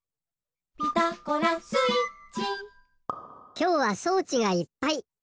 きょうは装置がいっぱい！